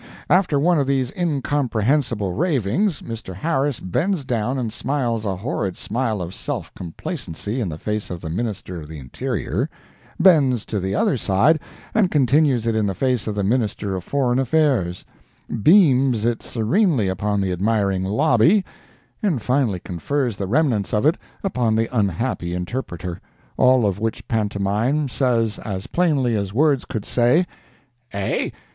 After one of these incomprehensible ravings, Mr. Harris bends down and smiles a horrid smile of self complacency in the face of the Minister of the Interior—bends to the other side and continues it in the face of the Minister of Foreign Affairs; beams it serenely upon the admiring lobby, and finally confers the remnants of it upon the unhappy interpreter—all of which pantomime says as plainly as words could say it: "Eh?